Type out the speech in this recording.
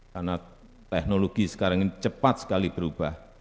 karena teknologi sekarang ini cepat sekali berubah